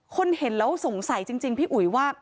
เห็นแล้วสงสัยจริงพี่อุ๋ยว่า